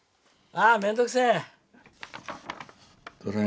あー、面倒くせえ。